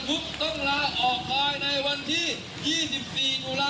๓คอยทุกข์ต้องลาออกคอยในวันที่๒๔๐๖๒๕๖๓